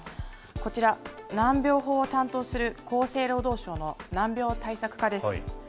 こちら、難病法を担当する、厚生労働省の難病対策課です。